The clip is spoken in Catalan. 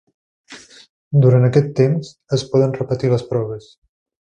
Durant aquest temps, es poden repetir les proves.